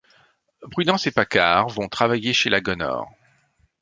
Prudence et Paccard vont travailler chez la Gonore.